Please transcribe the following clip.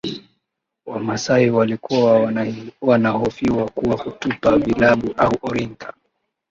Wamasai walikuwa wanahofiwa kwa kutupa vilabu au orinka